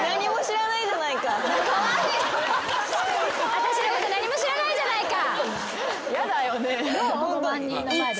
私のこと何も知らないじゃないか。